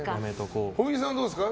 ほいさんはどうですか？